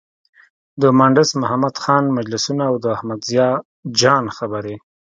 د مانډس محمد خان مجلسونه او د احمد ضیا جان خبرې.